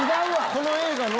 この映画の。